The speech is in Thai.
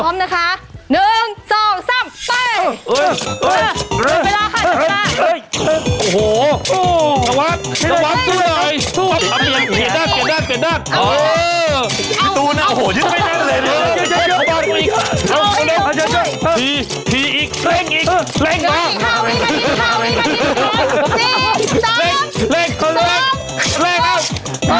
พร้อมค่ะหนึ่งสองสามไปเดี๋ยวเวลาค่ะจริงไหมคะ